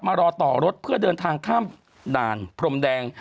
รอต่อรถเพื่อเดินทางข้ามด่านพรมแดง